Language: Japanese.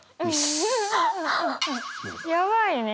やばいね！